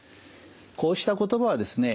こうした言葉はですね